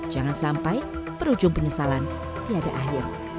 jangan sampai berujung penyesalan tiada akhir